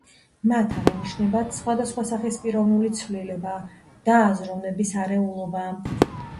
მათ აღენიშნებათ სხვადასხვა სახის პიროვნული ცვლილება და აზროვნების არეულობა.